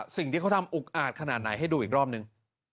สิ่งที่เขาทำอุกอาจขนาดไหนให้ดูอีกรอบนึง